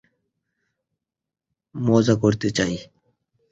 মজা করতে চাই।